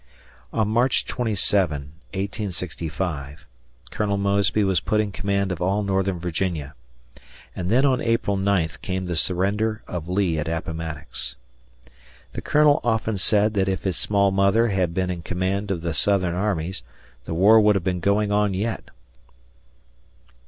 On March 27, 1865, Colonel Mosby was put in command of all northern Virginia. And then on April 8th came the surrender of Lee at Appomattox. The Colonel often said that if his small mother had been in command of the Southern armies, the war would have been going on yet.